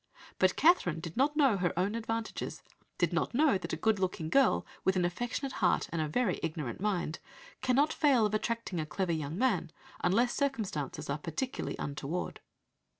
But Catherine did not know her own advantages did not know that a good looking girl, with an affectionate heart and a very ignorant mind, cannot fail of attracting a clever young man, unless circumstances are particularly untoward."